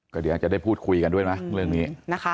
ก็เดี๋ยวจะได้พูดคุยกันด้วยนะเรื่องนี้